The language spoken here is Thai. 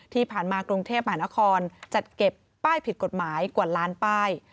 ที่ผ่านมากรุงเทพมหานครจัดเก็บป้ายผิดกฎหมายกว่าล้านป้าย